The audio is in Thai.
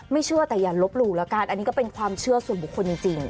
เชื่อแต่อย่าลบหลู่แล้วกันอันนี้ก็เป็นความเชื่อส่วนบุคคลจริง